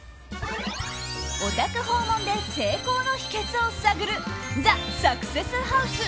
お宅訪問で成功の秘訣を探るＴＨＥサクセスハウス